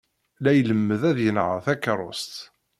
La ilemmed ad yenheṛ takeṛṛust.